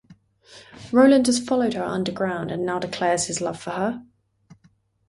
Roland has followed her underground and now declares his love for her.